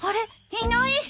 いない。